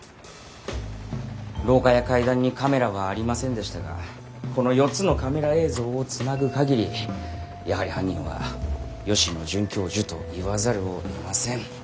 廊下や階段にカメラはありませんでしたがこの４つのカメラ映像をつなぐ限りやはり犯人は吉野准教授と言わざるをえません。